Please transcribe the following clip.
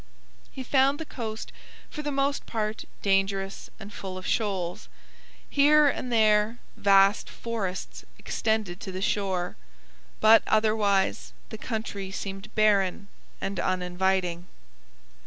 He found the coast for the most part dangerous and full of shoals. Here and there vast forests extended to the shore, but otherwise the country seemed barren and uninviting.